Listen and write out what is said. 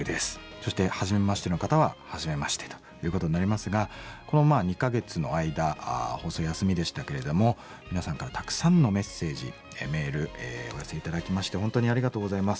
そしてはじめましての方ははじめましてということになりますがこの２か月の間放送休みでしたけれども皆さんからたくさんのメッセージメールお寄せ頂きまして本当にありがとうございます。